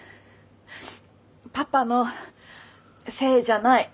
パパのせいじゃない。